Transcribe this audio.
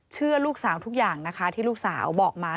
เชื่อลูกสาวทุกอย่างนะคะที่ลูกสาวบอกมา